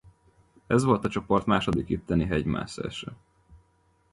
Ez volt a csoport második itteni hegymászása.